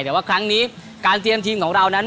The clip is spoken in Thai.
แต่ว่าครั้งนี้การเตรียมทีมของเรานั้น